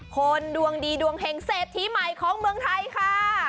คนดวงดีดวงเห็งเศรษฐีใหม่ของเมืองไทยค่ะ